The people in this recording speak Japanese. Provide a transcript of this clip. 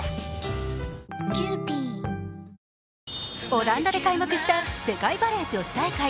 オランダで開幕した世界バレー女子大会。